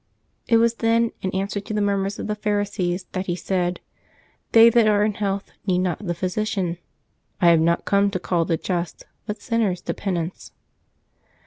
It was then, in answer to the murmurs of the Pharisees, that He said, " They that are in health need not the physician. I have not come to call the just, but sinners to penance."